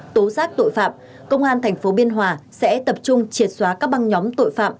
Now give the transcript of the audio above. tố giác tội phạm công an tp biên hòa sẽ tập trung triệt xóa các băng nhóm tội phạm